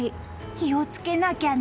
気をつけなきゃね！